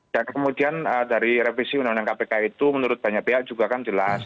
dan kemudian dari revisi undang undang kpk itu menurut banyak pihak juga kan jelas